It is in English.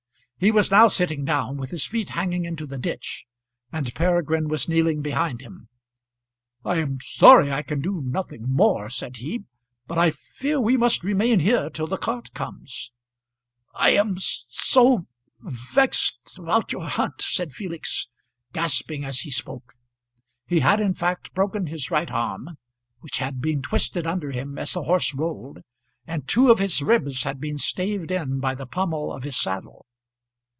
He was now sitting down, with his feet hanging into the ditch, and Peregrine was kneeling behind him. "I am sorry I can do nothing more," said he; "but I fear we must remain here till the cart comes." "I am so vexed about your hunt," said Felix, gasping as he spoke. He had in fact broken his right arm which had been twisted under him as the horse rolled, and two of his ribs had been staved in by the pommel of his saddle.